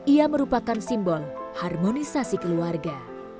ia merupakan simbol harmonisasi keluarga